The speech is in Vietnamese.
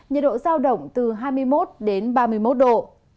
nhiệt độ rào động từ hai mươi một ba mươi một độ